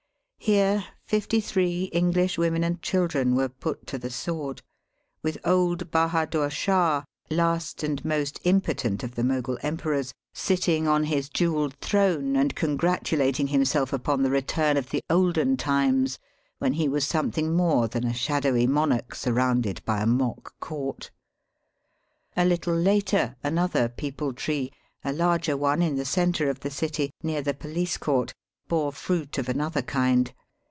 Here fifty three EngUsh women and children were put to the sword, with old Bahadur Shah, last and most impotent of the Mogul emperors, sitting on his jewelled throne and congratu lating himself upon the return of the olden times when he was something more than a shadowy monarch surrounded by a mock Digitized by VjOOQIC 302 EAST BY WEST, court. A little later another peepul tree, a larger one in the centre of the city, near the police court, bore fruit of another kind.